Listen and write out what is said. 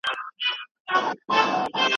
حق ویل د ژوند یوه سمه لاره ده.